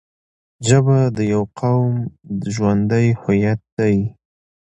ژبه د یوه قوم ژوندی هویت دی